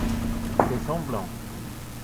il fait semblant.